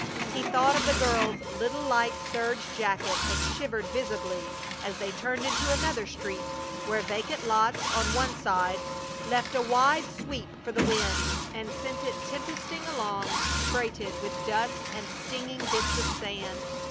He thought of the girl's little light serge jacket and shivered visibly as they turned into another street where vacant lots on one side left a wide sweep for the wind and sent it tempesting along freighted with dust and stinging bits of sand.